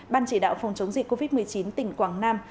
ban chỉ đạo phòng chống dịch covid một mươi chín tỉnh quảng nam